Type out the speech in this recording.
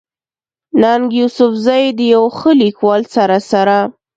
ننګ يوسفزۍ د يو ښه ليکوال سره سره